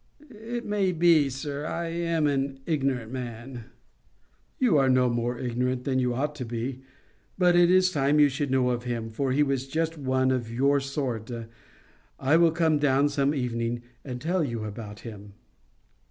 "It may be, sir. I am an ignorant man." "You are no more ignorant than you ought to be.—But it is time you should know him, for he was just one of your sort. I will come down some evening and tell you about him."